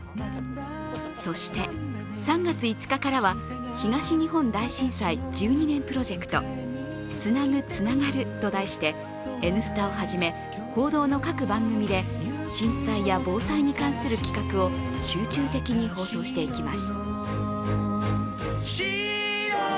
そして、３月５日からは東日本大震災１２年プロジェクトつなぐ、つながる」と題して「Ｎスタ」をはじめ、報道の各番組で震災や防災に関する企画を集中的に放送していきます。